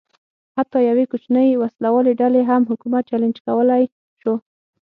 حتی یوې کوچنۍ وسله والې ډلې هم حکومت چلنج کولای شو.